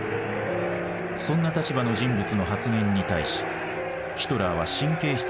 そんな立場の人物の発言に対しヒトラーは神経質なまでに反応した。